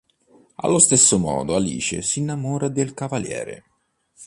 Allo stesso modo, Alice si innamora del cavaliere.